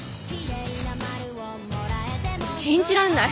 信じらんない！